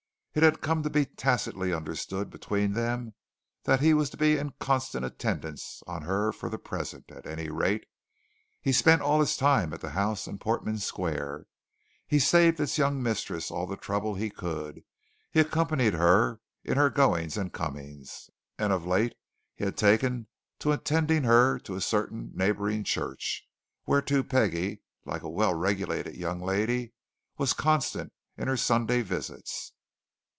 It had come to be tacitly understood between them that he was to be in constant attendance on her for the present, at any rate. He spent all his time at the house in Portman Square; he saved its young mistress all the trouble he could; he accompanied her in her goings and comings. And of late he had taken to attending her to a certain neighbouring church, whereto Peggie, like a well regulated young lady, was constant in her Sunday visits.